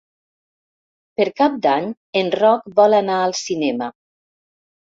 Per Cap d'Any en Roc vol anar al cinema.